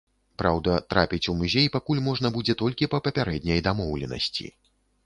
Праўда, трапіць у музей пакуль можна будзе толькі па папярэдняй дамоўленасці.